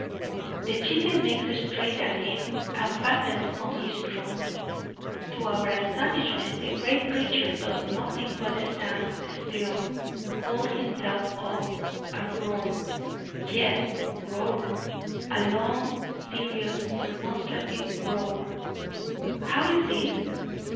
The Chicken makes straight at him, and fastens on his throat. To our astonishment, the great creature does nothing but stand still, hold himself up, and roar yes, roar; a long, serious, remonstrative roar. How is this?